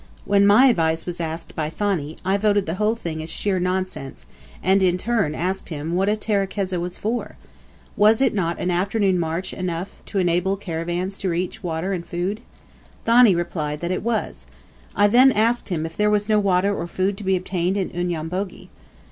When my advice was asked by Thani, I voted the whole thing as sheer nonsense; and, in turn, asked him what a terekeza was for? Was it not an afternoon march to enable caravans to reach water and food? Thani replied than it was. I then asked him if there was no water or food to be obtained in Unyambogi.